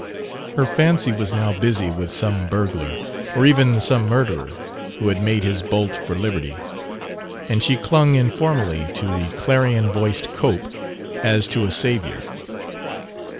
Her fancy was now busy with some burglar, or even some murderer, who had made his bolt for liberty; and she clung informally to the clarion voiced Cope as to a savior.